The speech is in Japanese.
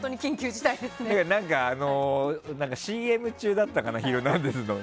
ＣＭ中だったかな「ヒルナンデス！」の。